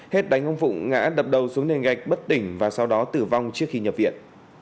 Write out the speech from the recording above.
hết đánh ông phụng ngã đập đầu xuống nền gạch bất tỉnh và sau đó tử vong trước khi nhập viện